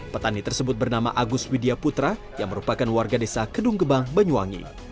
petani tersebut bernama agus widya putra yang merupakan warga desa kedung gebang banyuwangi